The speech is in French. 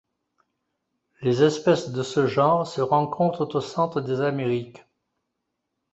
Les espèces de ce genre se rencontrent au centre des Amériques.